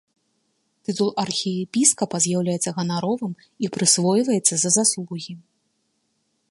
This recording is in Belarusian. Тытул архіепіскапа з'яўляецца ганаровым і прысвойваецца за заслугі.